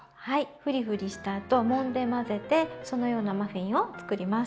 ふりふりしたあともんで混ぜてそのようなマフィンを作ります。